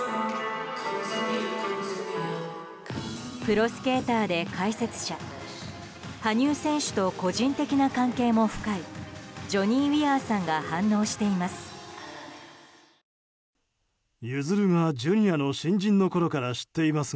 プロスケーターで解説者羽生選手と個人的な関係も深いジョニー・ウィアーさんが反応しています。